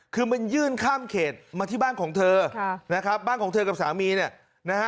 คือมันยื่นข้ามเขตมาที่บ้านของเธอนะครับบ้านของเธอกับสามีเนี่ยนะฮะ